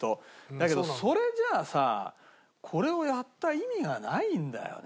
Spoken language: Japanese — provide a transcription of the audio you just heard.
だけどそれじゃあさこれをやった意味がないんだよね